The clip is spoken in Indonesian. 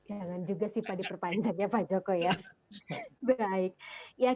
jangan juga sih diperpanjang pak joko